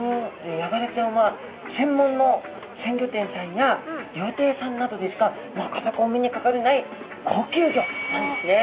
ヤガラちゃんは専門の鮮魚店さんや料亭さんなどでしかなかなかお目にかかれない高級魚なんですね。